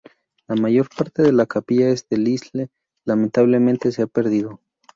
La mayor parte de la capilla de Lisle, lamentablemente, se ha perdido.